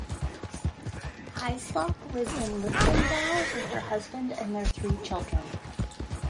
Hyslop lives in Linlithgow with her husband and their three children.